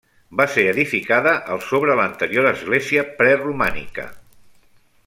Va ser edificada al sobre l'anterior església preromànica.